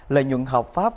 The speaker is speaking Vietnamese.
lợi nhuận hợp pháp